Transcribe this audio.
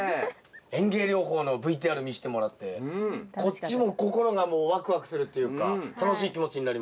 園芸療法のＶＴＲ見してもらってこっちも心がもうワクワクするっていうか楽しい気持ちになりました。